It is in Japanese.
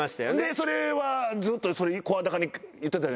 それはずっと声高に言ってたじゃない？